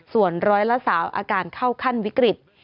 ส่วนร้อยละ๓อาการเข้าขั้นวิกฤต